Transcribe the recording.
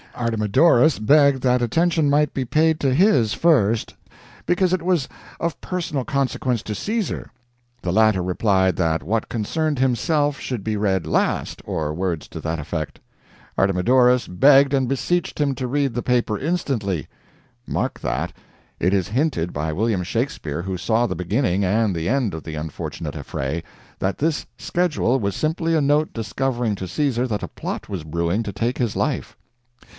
Artexnidorus begged that attention might be paid to his first, because it was of personal consequence to Caesar. The latter replied that what concerned himself should be read last, or words to that effect. Artemidorus begged and beseeched him to read the paper instantly! [Mark that: It is hinted by William Shakespeare, who saw the beginning and the end of the unfortunate affray, that this "schedule" was simply a note discovering to Caesar that a plot was brewing to take his life.